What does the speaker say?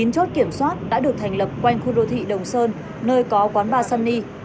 chín chốt kiểm soát đã được thành lập quanh khu đô thị đồng sơn nơi có quán bar sunny